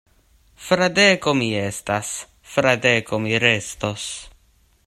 Fradeko mi estas; Fradeko mi restos.